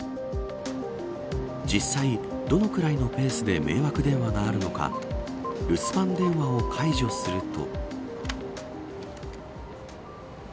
実際、どのくらいのペースで迷惑電話があるのか留守番電話を解除すると。